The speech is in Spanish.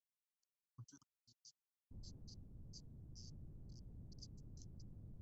Muchos de los nombres son conocidos ilustradores y autores españoles de cuentos infantiles.